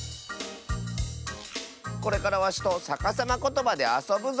これからわしとさかさまことばであそぶぞよ。